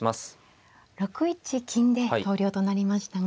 ６一金で投了となりましたが。